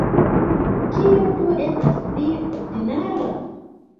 Kio do estas pli ordinara?